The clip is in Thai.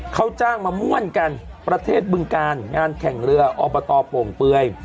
เขาจ้างมาม่วนกันประเทศบึงการงานแข่งเรืออบตโป่งเปลือย